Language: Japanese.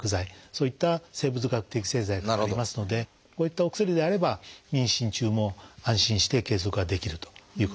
そういった生物学的製剤がありますのでこういったお薬であれば妊娠中も安心して継続ができるということですね。